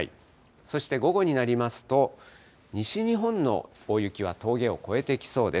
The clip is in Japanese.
そして午後になりますと、西日本の大雪は峠を越えてきそうです。